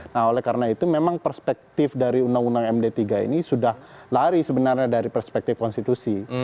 nah oleh karena itu memang perspektif dari undang undang md tiga ini sudah lari sebenarnya dari perspektif konstitusi